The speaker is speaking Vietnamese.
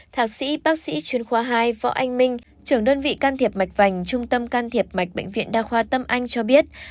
thạc sĩ bác sĩ chuyên khoa hai võ anh minh trưởng đơn vị can thiệp mạch vành trung tâm can thiệp mạch bệnh viện đa khoa tâm anh cho biết